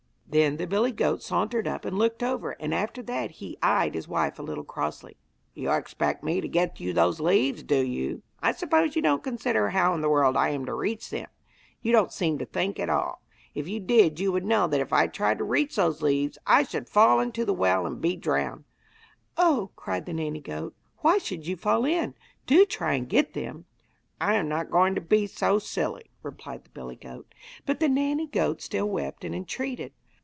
Then the billy goat sauntered up and looked over, and after that he eyed his wife a little crossly. 'You expect me to get you those leaves, do you? I suppose you don't consider how in the world I am to reach them? You don't seem to think at all; if you did you would know that if I tried to reach those leaves I should fall into the well and be drowned!' 'Oh,' cried the nanny goat, 'why should you fall in? Do try and get them!' 'I am not going to be so silly,' replied the billy goat. But the nanny goat still wept and entreated.